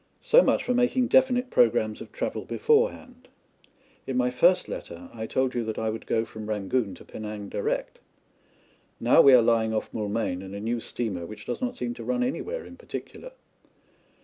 So much for making definite programmes of travel beforehand. In my first letter I told you that I would go from Rangoon to Penang direct. Now we are lying off Moulmein in a new steamer which does not seem to run anywhere in particular.